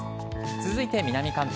続いて南関東。